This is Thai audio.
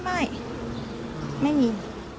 ไม่ไม่มี